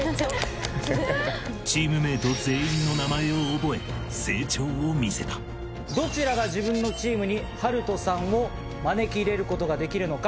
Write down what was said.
チームメイト全員の名前を覚えどちらが自分のチームに暖人さんを招き入れることができるのか。